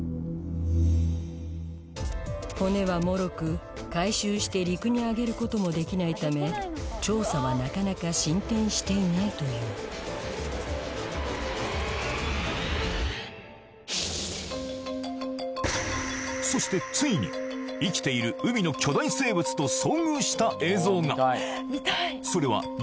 骨はもろく回収して陸に揚げることもできないため調査はなかなか進展していないというそしてついに生きている海の巨大生物と遭遇した映像が！